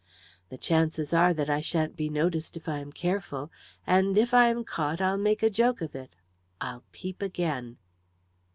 "The chances are that I sha'n't be noticed if I am careful; and if I am caught I'll make a joke of it. I'll peep again."